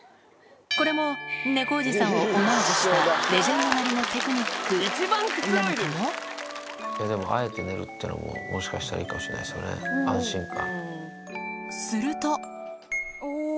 これも、猫おじさんをオマージュしたレジェンドなりのテクニック？なのかでも、あえて寝るっていうのも、もしかしたらいいかもしれないですよね、安心感。